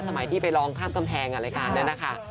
สมัยที่ไปร้องข้ามกำแพงรายการนั้นนะคะ